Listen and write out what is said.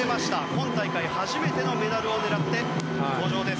今大会初めてのメダルを狙って登場です。